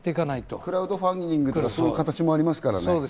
クラウドファンディングの形もありますからね。